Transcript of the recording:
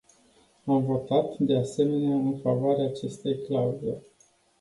Am votat, de asemenea, în favoarea acestei clauze.